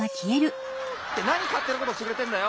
ってなにかってなことしてくれてんだよ！